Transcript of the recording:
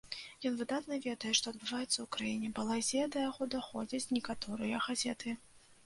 Ён выдатна ведае, што адбываецца ў краіне, балазе, да яго даходзяць некаторыя газеты.